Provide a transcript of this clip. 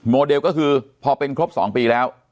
เดลก็คือพอเป็นครบ๒ปีแล้ว